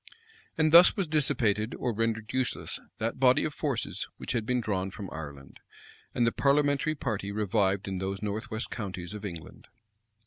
And thus was dissipated or rendered useless that body of forces which had been drawn from Ireland; and the parliamentary party revived in those north west counties of England.